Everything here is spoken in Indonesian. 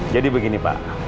jadi begini pak